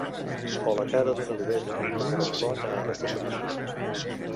O la cara d'una dovella, que correspon a aquesta superfície.